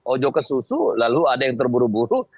ojo ke susu lalu ada yang terburu buru